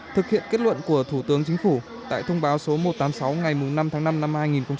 thực hiện kết luận của thủ tướng chính phủ tại thông báo số một trăm tám mươi sáu ngày năm tháng năm năm hai nghìn một mươi chín